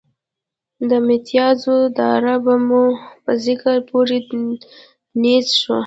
د متیازو داره به مو په ذکر پورې نیزه شوه.